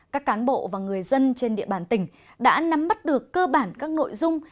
các cán bộ và người dân trên địa bàn tỉnh đã nắm bắt được cơ bản các nội dung